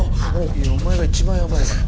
いやお前が一番ヤバいから。